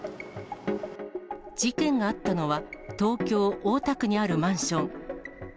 事件があったのは、東京・大田区にあるマンション。